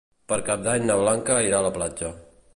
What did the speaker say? Per Cap d'Any na Blanca irà a la platja.